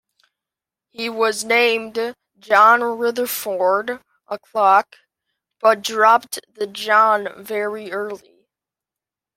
He was named John Rutherford Alcock, but dropped the John very early.